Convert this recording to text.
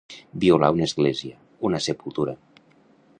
Violar una església, una sepultura.